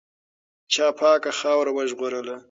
چا پاکه خاوره وژغورله؟